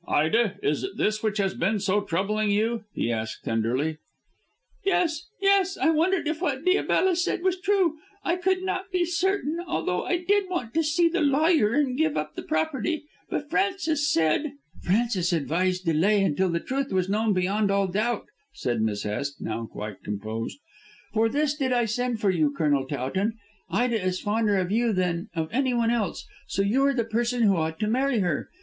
"Ida, is it this which has been so troubling you?" he asked tenderly. "Yes! Yes! I wondered if what Diabella said was true. I could not be certain, although I did want to see the lawyer and give up the property. But Frances said " "Frances advised delay until the truth was known beyond all doubt," said Miss Hest, now quite composed. "For this did I send for you, Colonel Towton. Ida is fonder of you than of anyone else, so you are the person who ought to marry her.